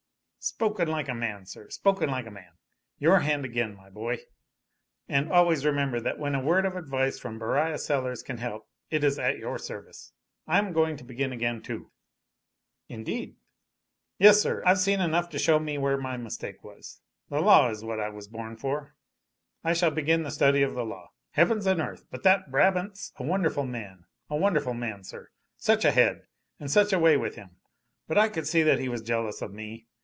"Spoken like a man, sir, spoken like a man! Your hand, again my boy! And always remember that when a word of advice from Beriah Sellers can help, it is at your service. I'm going to begin again, too!" "Indeed!" "Yes, sir. I've seen enough to show me where my mistake was. The law is what I was born for. I shall begin the study of the law. Heavens and earth, but that Braham's a wonderful man a wonderful man sir! Such a head! And such a way with him! But I could see that he was jealous of me.